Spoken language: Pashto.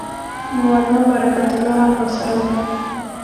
مولنا برکت الله هم راسره وو.